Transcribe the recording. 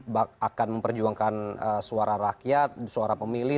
bahkan akan memperjuangkan suara rakyat suara pemilih